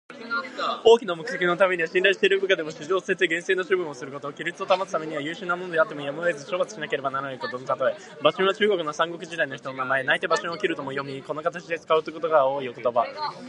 大きな目的のためには信頼している部下でも、私情を捨てて、厳正な処分をすること。規律を保つためには、優秀な者であってもやむを得ず処罰しなければならないことのたとえ。「馬謖」は中国の三国時代の人の名前。「泣いて馬謖を斬る」とも読み、この形で使うことが多い言葉。